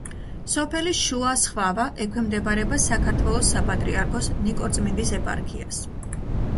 სოფელი შუა სხვავა ექვემდებარება საქართველოს საპატრიარქოს ნიკორწმინდის ეპარქიას.